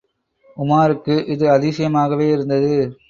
உமாருக்கு இது அதிசயமாக இருந்தது.